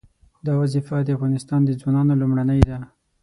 دا وظیفه د افغانستان د ځوانانو لومړنۍ ده.